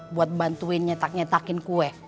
buat bantuin nyetak nyetakin kue